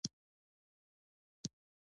د حاجي ګک کان څومره وسپنه لري؟